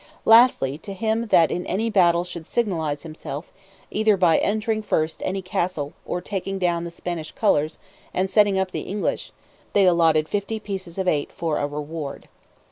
Lastly, to him that in any battle should signalize himself, either by entering first any castle, or taking down the Spanish colours, and setting up the English, they allotted fifty pieces of eight for a reward.